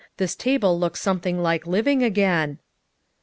This table looks something like living again."